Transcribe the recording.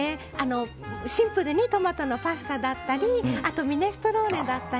シンプルにトマトのパスタだったりミネストローネだったり